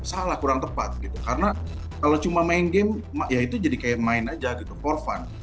salah kurang tepat gitu karena kalau cuma main game ya itu jadi kayak main aja gitu for fun